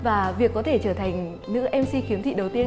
và việc có thể trở thành nữ mc khiếm thị đầu tiên